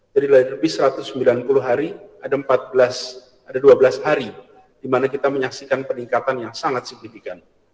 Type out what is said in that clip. jadi lebih dari satu ratus sembilan puluh hari ada dua belas hari di mana kita menyaksikan peningkatan yang sangat signifikan